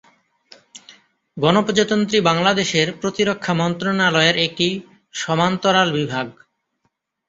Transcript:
গণপ্রজাতন্ত্রী বাংলাদেশের প্রতিরক্ষা মন্ত্রণালয়ের একটি সমান্তরাল বিভাগ।